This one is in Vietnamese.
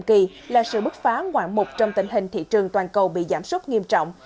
kỳ là sự bức phá ngoạn mục trong tình hình thị trường toàn cầu bị giảm súc nghiêm trọng